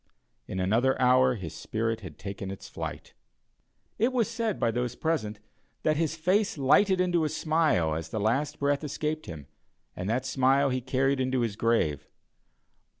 In another hour his spirit had taken its flight. It was said by those present, that his face lighted into a smile as the last breath escaped him, and that smile he carried into his grave.